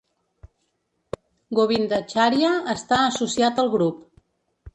Govindacharya està associat al grup.